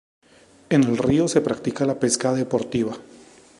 En el río se practica la pesca deportiva.